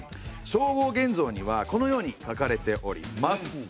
「正法眼蔵」にはこのように書かれております。